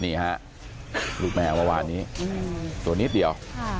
นี่ฮะลูกแม่เมื่อวานนี้ตัวนิดเดียว